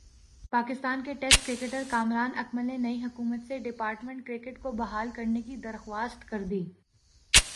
پاکستان کے ٹیسٹ کرکٹرکامران اکمل نے نئی حکومت سے ڈپارٹمنٹ کرکٹ کو بحال کرنے کی درخواست کردی۔